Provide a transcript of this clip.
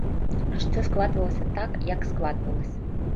Жыццё складвалася так, як складвалася.